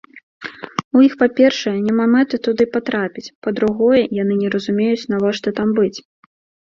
У іх, па-першае, няма мэты туды патрапіць, па-другое, яны не разумеюць, навошта там быць.